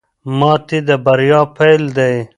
ماتې د بریا پیل دی.